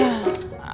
terima kasih bang